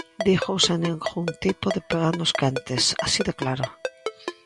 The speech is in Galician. Dígoo sen ningún tipo de panos quentes, ¡así de claro!